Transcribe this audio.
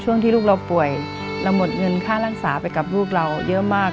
ช่วงที่ลูกเราป่วยเราหมดเงินค่ารักษาไปกับลูกเราเยอะมาก